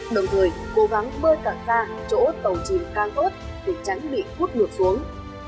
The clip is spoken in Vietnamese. đồng thời cố gắng bơi càng xa chỗ tàu chìm càng tốt để tránh bị hút ngược xuống